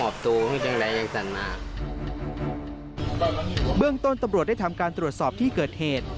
เบื้องต้นตำรวจได้ทำการตรวจสอบที่เกิดเหตุ